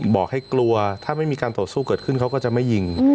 บอกให้กลัวถ้าไม่มีการต่อสู้เกิดขึ้นเขาก็จะไม่ยิง